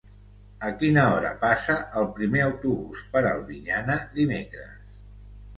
A quina hora passa el primer autobús per Albinyana dimecres?